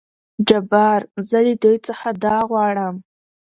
جبار : زه له دوي څخه دا غواړم.